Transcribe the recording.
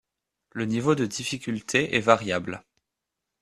Le niveau de difficulté est variable.